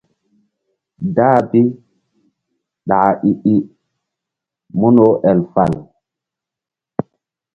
Dah bi ɗaka i I mun wo el fal.